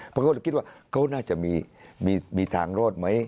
พวกเขาจะคิดว่าเขาน่าจะมีมีทางโรตไหม